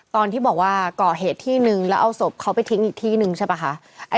ตอนที่บอกว่าก่อเหตุที่นึงแล้วเอาศพเขาไปทิ้งอีกที่นึงใช่ป่ะคะ